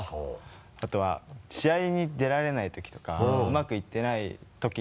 あとは試合に出られない時とかうまくいってない時。